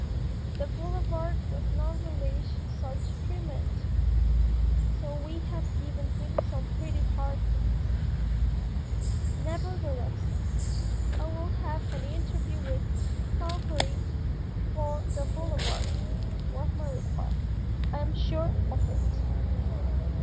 The Boulevard does not relish such treatment, so we have given him some pretty hard hits." "Nevertheless, I will have an interview with Fauchery for the Boulevard," was my reply. "I am sure of it."